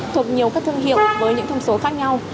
thuộc nhiều các thương hiệu với những thông số khác nhau